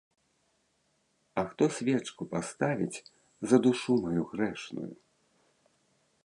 А хто свечку паставіць за душу маю грэшную?